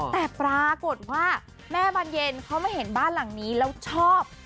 แต่ปรากฏว่าแม่บานเย็นเขามาเห็นบ้านหลังนี้แล้วชอบ